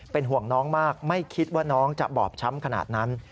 เป็นห่วงน้องมากไม่คิดว่าน้องจะบอบช้ำขนาดนั้น